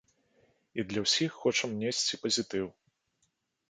І для ўсіх хочам несці пазітыў.